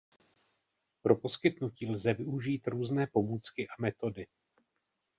Pro poskytnutí lze využít různé pomůcky a metody.